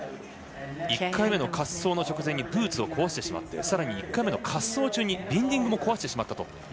１回目の滑走直前ブーツを壊してしまってさらに１回目の滑走中にビンディングも壊してしまったと。